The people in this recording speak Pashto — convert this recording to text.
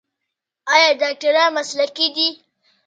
آیا ډاکټران مسلکي دي؟